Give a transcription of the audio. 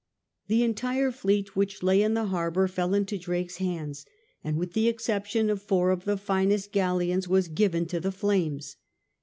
The entire fleet which lay in the harbour fell into Drake's hands, and with the exception of four of the finest galleons was given to the flames.